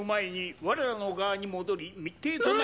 我らの側に戻り密偵となってくれた